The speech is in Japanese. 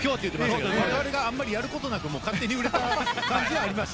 ただ、我々はあまりやることなく勝手に売れた感じではありました。